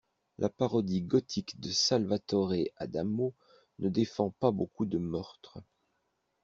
La parodie gothique de Salvatore Adamo ne défend pas beaucoup de meurtres.